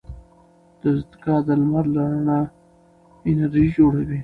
دستګاه د لمر له رڼا انرژي جوړوي.